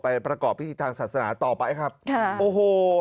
ไปประกอบที่ทางศาสนาต่อไปครับโอ้โห